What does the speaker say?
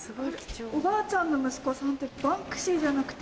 おばあちゃんの息子さんってバンクシーじゃなくて。